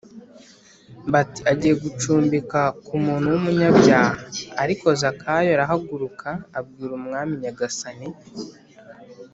Bati agiye gucumbika ku muntu w umunyabyaha ariko zakayo arahaguruka abwira umwami nyagasani